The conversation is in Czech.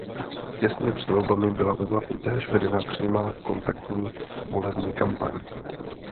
Těsně před volbami byla ve vlaku též vedena přímá kontaktní volební kampaň.